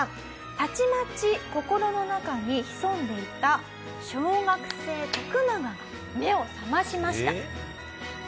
たちまち心の中に潜んでいた小学生トクナガが目を覚ましました。